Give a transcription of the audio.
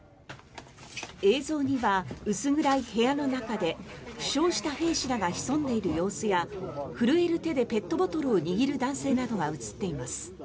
映像には薄暗い部屋の中で負傷した兵士らが潜んでいる様子や震える手でペットボトルを握る男性などが映っています。